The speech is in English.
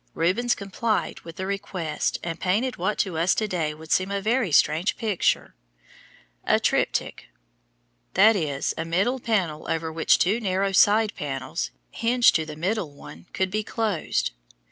Rubens complied with the request and painted what to us to day would seem a very strange picture a "triptych," that is a middle panel over which two narrow side panels, hinged to the middle one, could be closed.